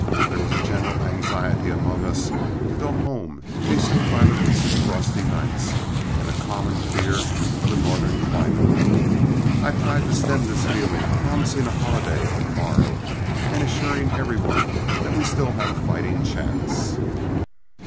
There was a general anxiety among us to go home, hastened by the recent frosty nights and a common fear of a Northern climate. I tried to stem this feeling, promising a holiday on the morrow and assuring every one that we still had a fighting chance.